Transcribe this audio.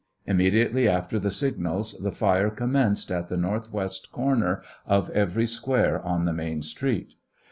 Immediately after the sig nals the fire commenced at the northwest corner of every square on the main street.